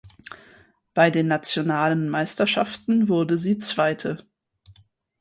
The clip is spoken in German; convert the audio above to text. Bei den nationalen Meisterschaften wurde sie Zweite.